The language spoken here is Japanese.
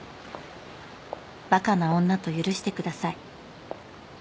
「バカな女と許してください」